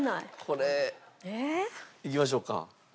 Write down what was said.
これいきましょうか。